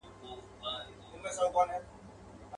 دې مخلوق ته به مي څنګه په زړه کیږم؟.